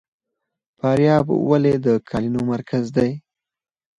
فاریاب ولې د قالینو مرکز دی؟